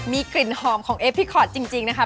มีกลิ่นหอมของเอพีคอร์ดจริงนะคะ